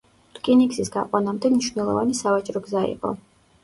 რკინიგზის გაყვანამდე მნიშვნელოვანი სავაჭრო გზა იყო.